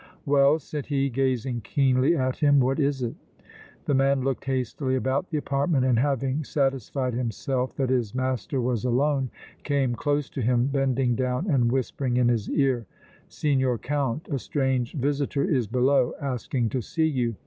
"Well," said he, gazing keenly at him, "what is it?" The man looked hastily about the apartment and, having satisfied himself that his master was alone, came close to him, bending down and whispering in his ear: "Signor Count, a strange visitor is below, asking to see you.